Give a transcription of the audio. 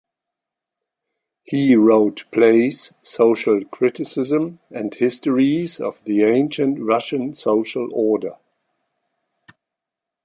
He wrote plays, social criticism, and histories of the ancient Russian social order.